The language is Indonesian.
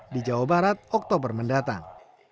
di jawa barat oktober mendatang